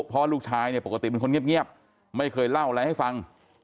เพราะลูกชายเนี่ยปกติเป็นคนเงียบไม่เคยเล่าอะไรให้ฟัง